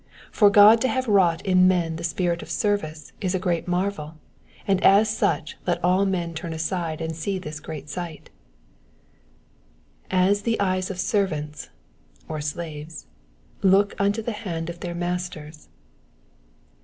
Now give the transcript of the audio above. For God to have wrought in men the spirit of service is a great marvel, and as such let all men turn aside and see this great sight ''Jj the eyes of servants (or slaves) look ttnto the hand of their masters.